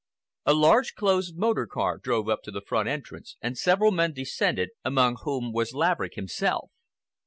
A large closed motor car drove up to the front entrance and several men descended, among whom was Laverick himself.